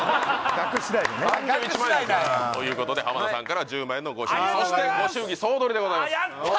額次第だということで浜田さんから１０万円のご祝儀そしてご祝儀総取りでございますやった！